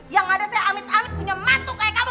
yang ada saya amit amit punya mantu kayak kamu